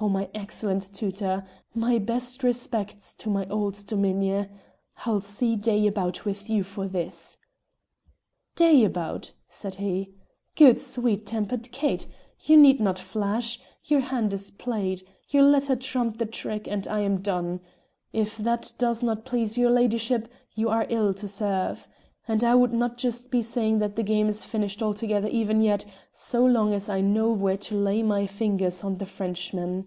Oh, my excellent tutor! My best respects to my old dominie! I'll see day about with you for this!" "Day about!" said he, "ftly good sweet tempered Kate! You need not fash; your hand is played; your letter trumped the trick, and I am done. If that does not please your ladyship, you are ill to serve. And I would not just be saying that the game is finished altogether even yet, so long as I know where to lay my fingers on the Frenchman."